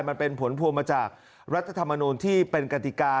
มันเป็นผลพวงมาจากรัฐธรรมนูลที่เป็นกติกา